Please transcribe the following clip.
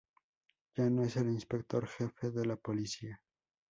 Ya no es el inspector jefe de la policía.